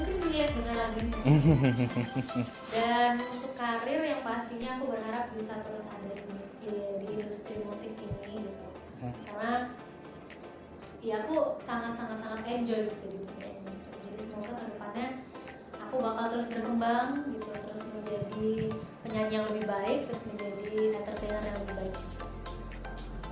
terus menjadi entertainer yang lebih baik